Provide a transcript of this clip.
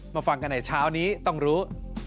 ฟังกันในเช้านี้ต้องรู้